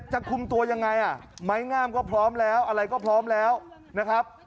คุมตัวยังไงอ่ะไม้งามก็พร้อมแล้วอะไรก็พร้อมแล้วนะครับ